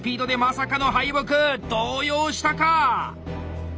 動揺したか！